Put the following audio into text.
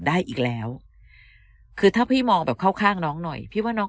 ได้อีกแล้วคือถ้าพี่มองแบบเข้าข้างน้องหน่อยพี่ว่าน้อง